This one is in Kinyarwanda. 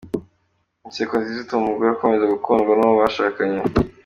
Inseko nziza ituma umugore akomeza gukundwa n’uwo bashakanye.